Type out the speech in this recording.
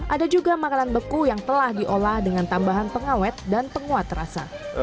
ada juga makanan beku yang telah diolah dengan tambahan pengawet dan penguat rasa